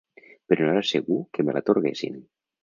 Però no era segur que me l'atorguessin